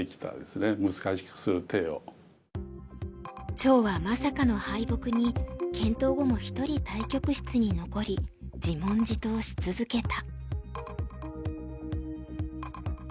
趙はまさかの敗北に検討後も１人対局室に残り自問自答し続けた。